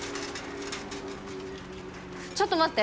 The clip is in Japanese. ちょっと待って。